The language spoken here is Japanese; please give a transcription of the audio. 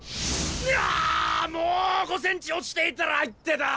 もう５センチ落ちていたら入ってた！